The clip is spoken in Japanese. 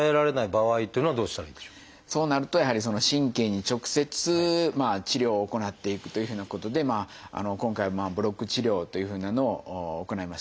そうなるとやはり神経に直接治療を行っていくというふうなことで今回はブロック治療というふうなのを行いました。